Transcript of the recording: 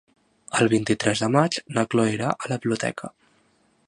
El vint-i-tres de maig na Cloè irà a la biblioteca.